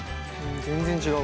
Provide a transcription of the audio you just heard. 全然違う。